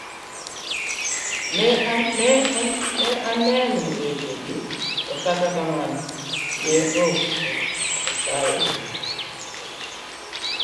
Ne oneno wechegi to kata kamano ne ok okeyo gi.